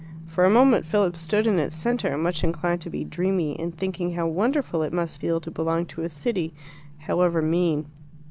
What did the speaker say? For a moment Philip stood in its centre, much inclined to be dreamy, and thinking how wonderful it must feel to belong to a city, however mean.